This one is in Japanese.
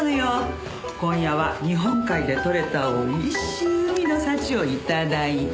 今夜は日本海でとれた美味しい海の幸を頂いて。